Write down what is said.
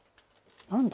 何だ？